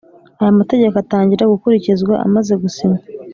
Aya mategeko atangira gukurikizwa amaze gusinywa